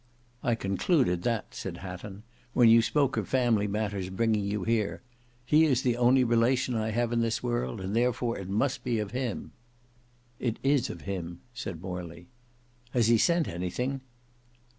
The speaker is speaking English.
"I concluded that," said Hatton, "when you spoke of family matters bringing you here; he is the only relation I have in this world, and therefore it must be of him." "It is of him," said Morley. "Has he sent anything?"